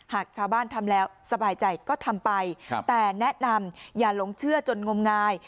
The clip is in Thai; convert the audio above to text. หากชาวบ้านทำแล้วสบายใจก็ทำไปแต่แนะนำอย่าหลงเชื่อจนงมงาย